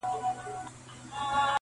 کوچي نکلونه- د آدم او دُرخانۍ سندري-